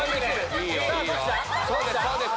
そうですそうです。